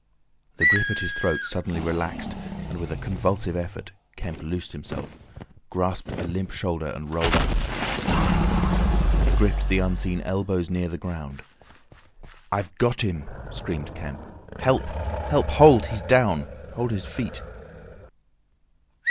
The grip at his throat suddenly relaxed, and with a convulsive effort, Kemp loosed himself, grasped a limp shoulder, and rolled uppermost. He gripped the unseen elbows near the ground. "I've got him!" screamed Kemp. "Help! Help—hold! He's down! Hold his feet!"